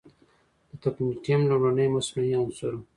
د تکنیټیم لومړنی مصنوعي عنصر و.